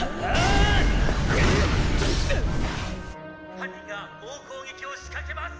「犯人が猛攻撃を仕掛けます！」